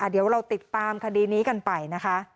เดี๋ยวเราติดตามคดีนี้กันไปนะคะ